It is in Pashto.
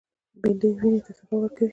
بېنډۍ وینې ته صفا ورکوي